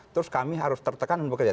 terus kami harus tertekan dan bekerja